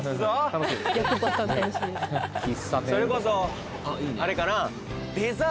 それこそあれかな？